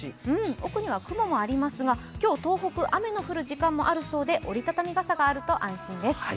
奥には雲もありますが、今日は東北、雨の降る予報もありますので折りたたみ傘があると安心です。